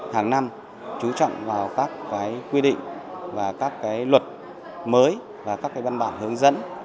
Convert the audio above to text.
hàng năm chú trọng vào các quy định và các luật mới và các văn bản hướng dẫn